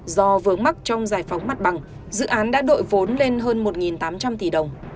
do vướng mắc trong giải phóng mặt bằng dự án đã đội vốn lên hơn một tám trăm linh tỷ đồng